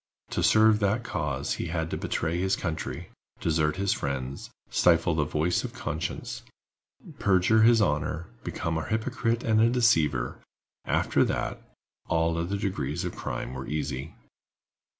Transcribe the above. To serve that cause he had to betray his country, desert his friends, stifle the voice of conscience, perjure his honor, become a hypocrite and a deceiver: after that, all other degrees of crime were easy.